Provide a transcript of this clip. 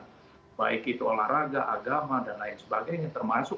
kemudian membatasi kegiatan kegiatan baik itu olahraga agama dan lain sebagainya termasuk